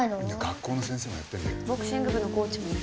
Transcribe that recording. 学校の先生もやってんだよ。